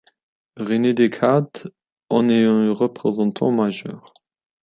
René Descartes en est un représentant majeur.